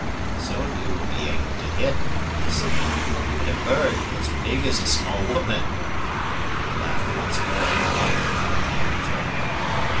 "Soon you will be able to hit," he said; "hit a bird as big as a small woman"; and he laughed once more immoderately at the old joke.